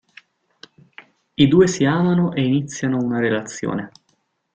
I due si amano e iniziano una relazione.